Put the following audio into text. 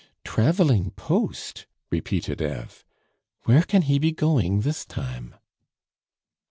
"Traveling post!" repeated Eve. "Where can he be going this time?"